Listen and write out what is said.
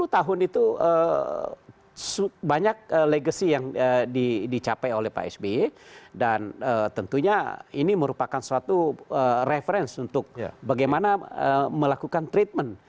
sepuluh tahun itu banyak legacy yang dicapai oleh pak sby dan tentunya ini merupakan suatu referensi untuk bagaimana melakukan treatment